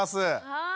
はい。